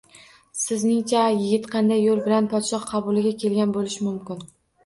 Sizning-cha, yigit qanday yo`l bilan podshoh qabuliga kelgan bo`lishi mumkin